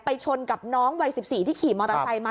ชนกับน้องวัย๑๔ที่ขี่มอเตอร์ไซค์มา